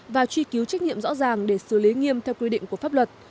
và truy cứu trách nhiệm rõ ràng để xử lý nghiêm theo quy định của pháp luật